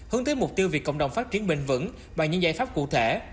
hướng tới mục tiêu việc cộng đồng phát triển bền vững bằng những giải pháp cụ thể